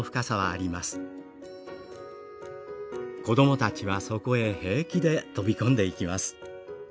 子供たちはそこへ平気で飛び込んでいきます。